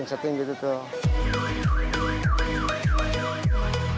nah sekarang kita mulai